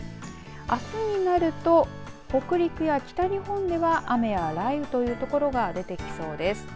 あすになると北陸や北日本では雨や雷雨という所が出てきそうです。